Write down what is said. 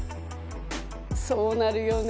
そうなるよね。